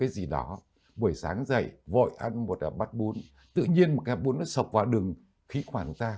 một cái gì đó buổi sáng dậy vội ăn một bát bún tự nhiên một cái bún nó sọc vào đường khí khoản ta